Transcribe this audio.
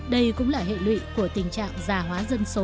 đây cũng là hệ lụy của tình trạng già hóa dân số